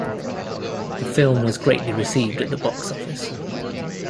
The film was greatly received at the box office.